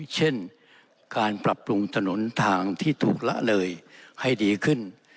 เช่นการปรับปรุงถนนทางที่ถูกละเลยให้ดีขึ้น